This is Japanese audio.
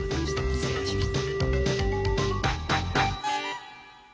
失礼いたしました。